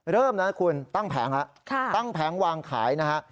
เริ่มนะคุณตั้งแผงแล้วตั้งแผงวางขายนะฮะ